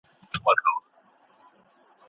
دا موضوع بايد د پوهنتون په کچه وڅېړل سي.